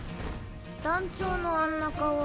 団長のあんな顔